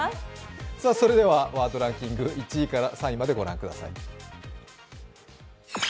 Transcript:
それではワードランキング１位から３位をご覧ください。